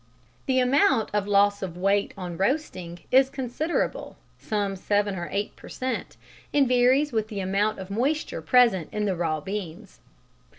The amount of loss of weight on roasting is considerable (some seven or eight per cent.), and varies with the amount of moisture present in the raw beans.